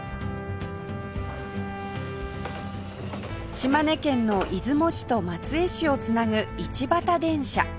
島根県の出雲市と松江市を繋ぐ一畑電車